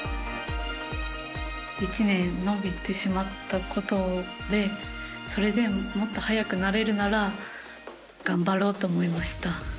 １年延びてしまったことでそれで、もっと速くなれるなら頑張ろうと思いました。